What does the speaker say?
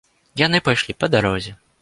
Яны пайшлі па дарозе.